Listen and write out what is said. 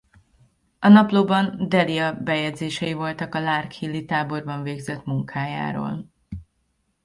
A naplóban Delia bejegyzései voltak a Larkhill-i táborban végzett munkájáról.